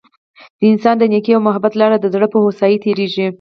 د انسان د نیکۍ او محبت لار د زړه په هوسايۍ تیریږي.